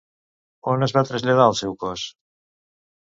On es va traslladar el seu cos?